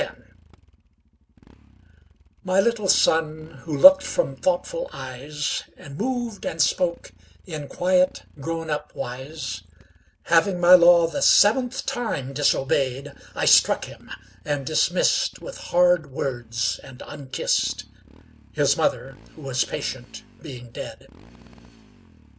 The Toys MY little Son, who look'd from thoughtful eyes And moved and spoke in quiet grown up wise, Having my law the seventh time disobey'd, I struck him, and dismiss'd With hard words and unkiss'd, 5 —His Mother, who was patient, being dead.